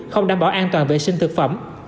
không đảm bảo an toàn vệ sinh thực phẩm